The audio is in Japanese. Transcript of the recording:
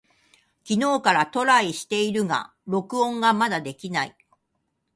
昨日からトライしているが録音がまだできない。